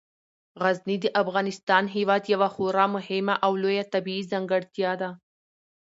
غزني د افغانستان هیواد یوه خورا مهمه او لویه طبیعي ځانګړتیا ده.